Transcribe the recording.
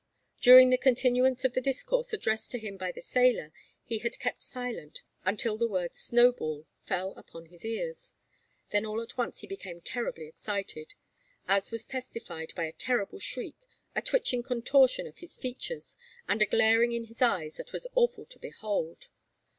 During the continuance of the discourse addressed to him by the sailor, he had kept silent, until the word "Snowball" fell upon his ears. Then all at once he became terribly excited, as was testified by a terrible shriek, a twitching contortion of his features, and a glaring in his eyes that was awful to behold.